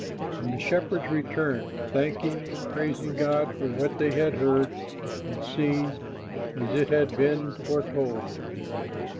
And the shepherds returned, thanking and praising God for what they had heard and seen, as it had been foretold.